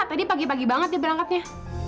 tadi pagi pagi banget dia berangkatnya